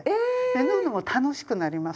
縫うのも楽しくなりますので。